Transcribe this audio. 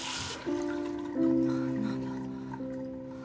何なの。